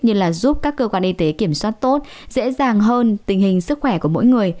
như là giúp các cơ quan y tế kiểm soát tốt dễ dàng hơn tình hình sức khỏe của mỗi người